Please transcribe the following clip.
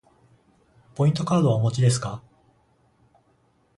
ポイントカードはお持ちですか。